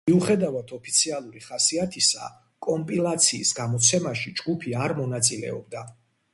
მიუხედავად ოფიციალური ხასიათისა, კომპილაციის გამოცემაში ჯგუფი არ მონაწილეობდა.